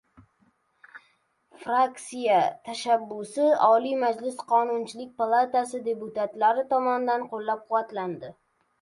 Fraksiya tashabbusi Oliy Majlis Qonunchilik palatasi deputatlari tomonidan qo‘llab-quvvatlandi